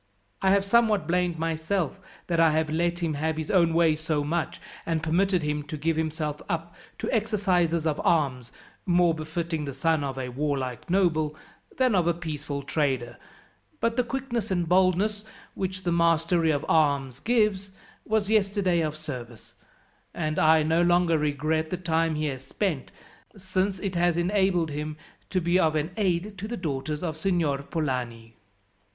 I have somewhat blamed myself that I have let him have his own way so much, and permitted him to give himself up to exercises of arms, more befitting the son of a warlike noble than of a peaceful trader; but the quickness and boldness, which the mastery of arms gives, was yesterday of service, and I no longer regret the time he has spent, since it has enabled him to be of aid to the daughters of Signor Polani."